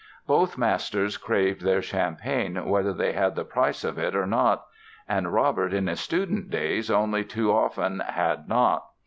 Both masters craved their champagne whether they had the price of it or not. And Robert in his student days only too often "had not".